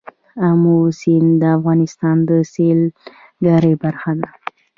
آمو سیند د افغانستان د سیلګرۍ برخه ده.